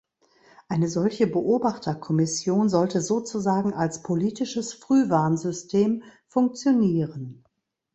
Eine solche Beobachterkommission sollte sozusagen als politisches Frühwarnsystem funktionieren.